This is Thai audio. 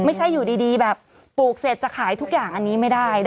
ไม่ใช่อยู่ดีแบบปลูกเสร็จจะขายทุกอย่างอันนี้ไม่ได้นะ